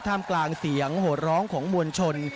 กลางเสียงโหดร้องของมวลชน